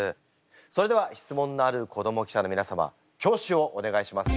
それでは質問のある子ども記者の皆様挙手をお願いします。